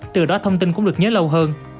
từ đó thông tin cũng được nhớ lâu hơn